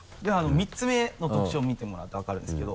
３つ目の特徴を見てもらうと分かるんですけど。